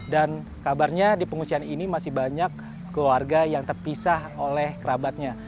dan kabarnya di pengungsian ini masih banyak keluarga yang terpisah oleh kerabatnya